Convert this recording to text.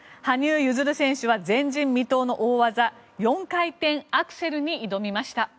羽生結弦選手は前人未到の大技４回転アクセルに挑みました。